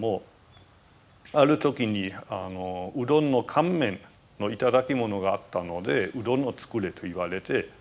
ある時にうどんの乾麺の頂き物があったので「うどんを作れ」と言われて。